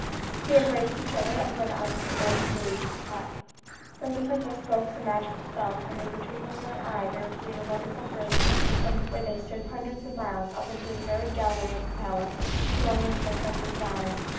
They embraced each other, and went out of the old fury's hut. Then the princess spoke some magical spells; and in the twinkling of an eye there appeared a wonderful bridge, reaching from where they stood hundreds of miles, up to the very gallery of the palace, belonging to the prince's father.